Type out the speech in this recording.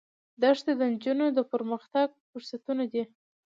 دښتې د نجونو د پرمختګ فرصتونه دي.